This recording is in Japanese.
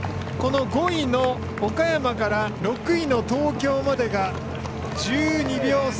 ５位の岡山から６位の東京までが１２秒差。